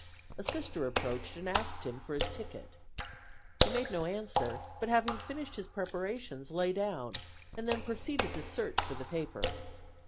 A Sister approached and asked him for his ticket. He made no answer, but having finished his preparations lay down and then proceeded to search for the paper.